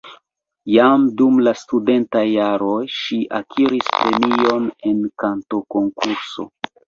Jam dum la studentaj jaroj ŝi akiris premion en kantokonkurso.